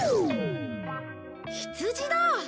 羊だ！